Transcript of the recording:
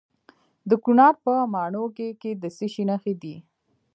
د کونړ په ماڼوګي کې د څه شي نښې دي؟